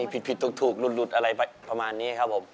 ผิดถูกหลุดอะไรประมาณนี้ครับผม